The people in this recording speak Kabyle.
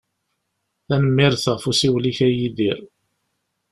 Tanemmirt ɣef usiwel-ik a Yidir.